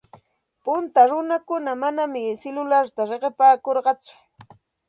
Punta runakuna manam silularta riqipaakurqatsu.